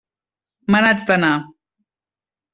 Me n'haig d'anar.